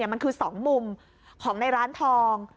มันคือ๒มุมของในร้านทอง